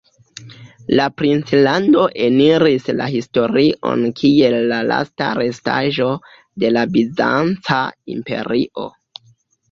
La princlando eniris la historion kiel la lasta restaĵo de la Bizanca Imperio.